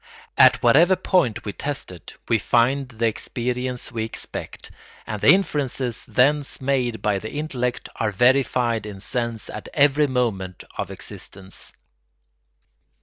At whatever point we test it, we find the experience we expect, and the inferences thence made by the intellect are verified in sense at every moment of existence.